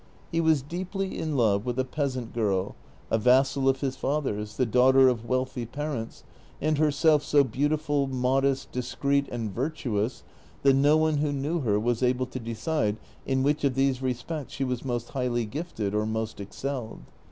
He was deeply in love with a peasant girl, a vassal of his father's, the daugliter of wealthy parents, and herself so beautiful, modest, discreet, and virtuous, tliat no one who knew her was able to decide in wliicli of these respects she was most highly gifted or most excelled.